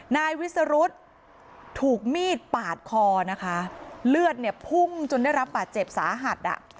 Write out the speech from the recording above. นายวิสรุธถูกมีดปาดคอนะคะเลือดเนี่ยพุ่งจนได้รับบาดเจ็บสาหัสอ่ะ